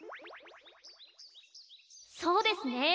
そうですね。